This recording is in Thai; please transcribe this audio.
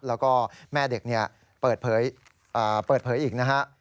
แล้วก็แม่เด็กเปิดเผยอีกนะฮะ